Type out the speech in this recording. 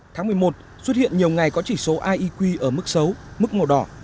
tháng một mươi một xuất hiện nhiều ngày có chỉ số ieq ở mức xấu mức màu đỏ